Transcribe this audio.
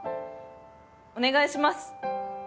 お願いします！